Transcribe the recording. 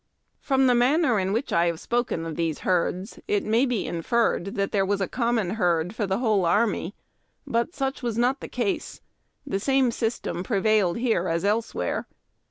From the manner in which I have spoken of these herds, it may be inferred that there was a common herd for the whole army ; but such was not the case. The same system prevailed here as elsewhere.